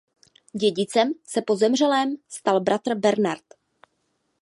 Dědicem se po zemřelém stal bratr Bernard.